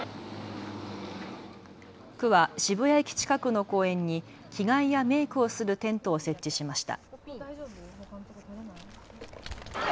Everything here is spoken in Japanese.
区は渋谷駅近くの公園に着替えやメークをするテントを設置しました。